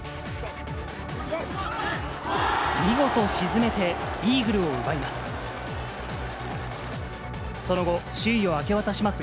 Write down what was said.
見事沈めて、イーグルを奪います。